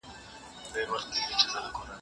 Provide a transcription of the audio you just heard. کېدای شي پښتو زده کړه اسانه کړي.